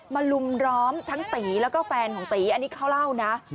ลุมร้อมทั้งตีแล้วก็แฟนของตีอันนี้เขาเล่านะ